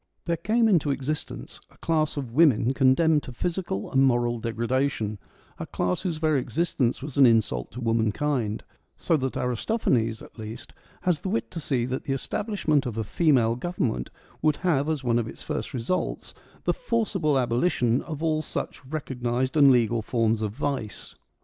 There came into existence a class of women condemned to physical and moral degradation — a class whose very existence was an insult to womankind ; so that Aristophanes, at least, has the wit to see that the establishment of a female government would have as one of its first results the forcible abolition of all such recognised and legal forms of vice.